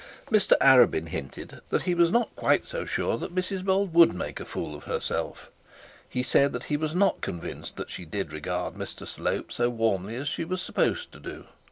Mr Arabin hinted that he was not quite so sure that Mrs Bold would make a fool of herself. He said that he was not convinced that she did regard Mr Slope so warmly as she was supposed to do.